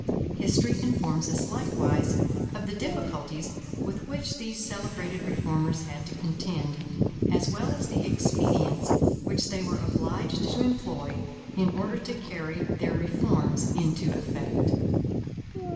History informs us, likewise, of the difficulties with which these celebrated reformers had to contend, as well as the expedients which they were obliged to employ in order to carry their reforms into effect.